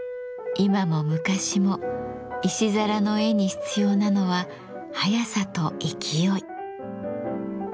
今も昔も石皿の絵に必要なのは速さと勢い。